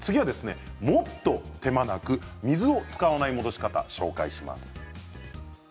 もっと手間なく水を使わない戻し方をご紹介します。